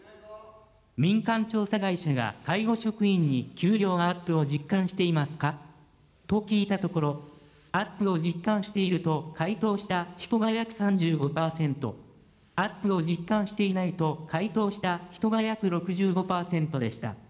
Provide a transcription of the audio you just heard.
民間調査会社が介護職員に給料アップを実感していますかと聞いたところ、アップを実感していると回答した人が約３５％、アップを実感していないと回答した人が約６５％でした。